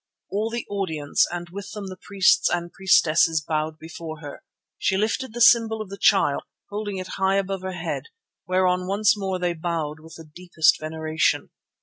All the audience and with them the priests and priestesses bowed before her. She lifted the symbol of the Child, holding it high above her head, whereon once more they bowed with the deepest veneration.